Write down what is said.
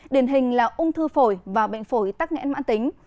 điển hình là ung thư phổi và bệnh phổi tắc nghẽn mãn tính